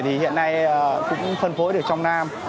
thì hiện nay cũng phân phối được trong nam